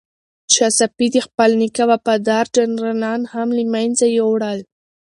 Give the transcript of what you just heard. شاه صفي د خپل نیکه وفادار جنرالان هم له منځه یووړل.